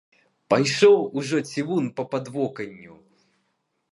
Пайшоў ужо цівун па падвоканню!